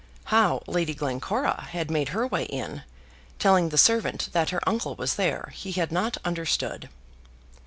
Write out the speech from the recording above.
How Lady Glencora had made her way in, telling the servant that her uncle was there, he had not understood.